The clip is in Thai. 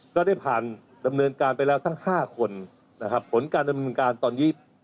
ก็ได้ผ่านดำเนินการไปแล้วทั้ง๕คนนะครับผลการดำเนินการตอนนี้